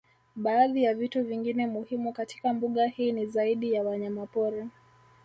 Baadhi ya vitu vingine muhimu katika mbuga hii ni zaidi ya wanyamapori